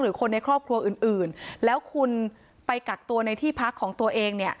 หรือคนในครอบครัวอื่นแล้วคุณไปกักตัวในที่พักของตัวเอง